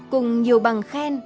cùng nhiều bằng khen